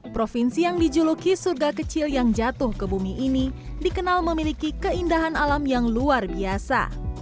provinsi yang dijuluki surga kecil yang jatuh ke bumi ini dikenal memiliki keindahan alam yang luar biasa